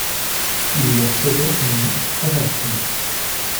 Ils leur faisaient une ovation.